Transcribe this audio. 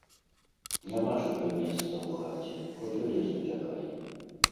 Нямашака месца ў хаце, хоць у лес уцякай.